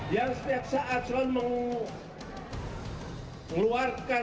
yang setiap saat selalu mengeluarkan